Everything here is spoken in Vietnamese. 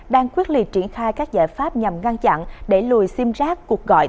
đang quyết lì triển khai các giải pháp nhằm ngăn chặn để lùi xim rác cuộc gọi